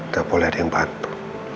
gak boleh ada yang bantu